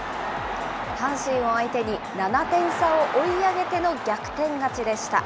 阪神を相手に７点差を追い上げての逆転勝ちでした。